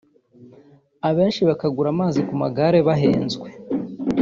abenshi bakagura amazi ku magare bahenzwe